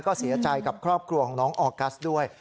ก็เสียใจกับครอบครัวของน้องออกัสด้วย